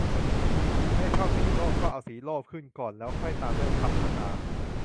แม่ชอบศิโรตม์ก็เอาศิโรตม์ขึ้นก่อน แล้วค่อยตามด้วยคำผกา